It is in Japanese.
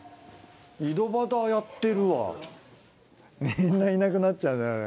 みんないなくなっちゃうねあれ。